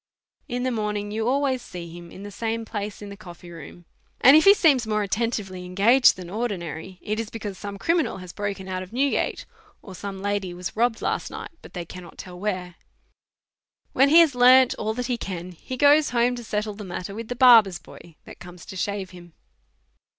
In the morning you always see him in the same place in the coffee room, and if he seems more attentively engaged than ordinary, it is because some criminal has broken out of Newgate, or some lady Vvas robbed last night, but they cannot tell where. When he lias learned all that he can, he goes home to settle the matter with the barber's boy that comes to shave him.